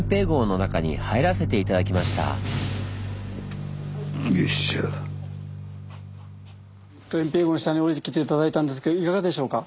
掩蔽壕の下におりてきて頂いたんですけどいかがでしょうか？